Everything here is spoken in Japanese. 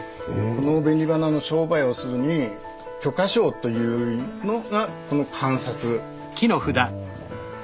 この紅花の商売をするに許可証というのがこの鑑札。